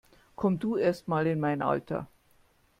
Komm du erst mal in mein Alter!